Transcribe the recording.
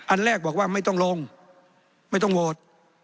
อันแรกบอกว่าไม่ต้องลงไม่ต้องโหวต